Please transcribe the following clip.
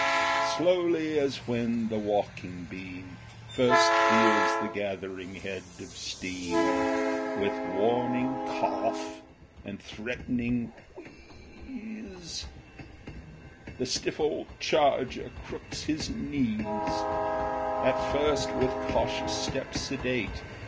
Slowly, as when the walking beam First feels the gathering head of steam, With warning cough and threatening wheeze The stiff old charger crooks his knees ; At first with cautious step sedate.